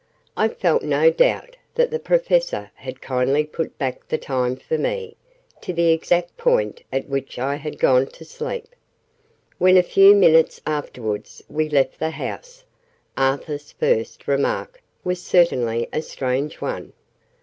(I felt no doubt that the Professor had kindly put back the time for me, to the exact point at which I had gone to sleep.) When, a few minutes afterwards, we left the house, Arthur's first remark was certainly a strange one.